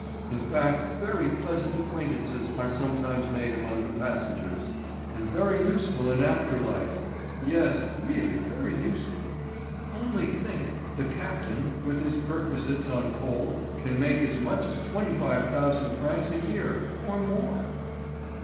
In fact, very pleasant acquaintances are sometimes made among the passengers, and very useful in after life—yes, really very useful. Only think, the captain, with his perquisites on coal, can make as much as twenty five thousand francs a year or more."